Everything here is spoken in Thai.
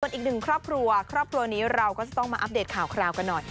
อีกหนึ่งครอบครัวครอบครัวนี้เราก็จะต้องมาอัปเดตข่าวคราวกันหน่อย